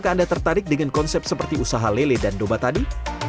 apakah anda tertarik dengan konsep seperti usaha lele dan domba tadi